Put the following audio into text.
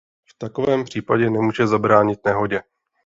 V takovém případě nemůže zabránit nehodě.